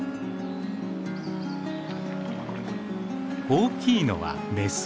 大きいのはメス。